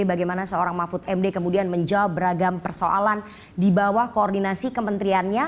bagaimana seorang mahfud md kemudian menjawab beragam persoalan di bawah koordinasi kementeriannya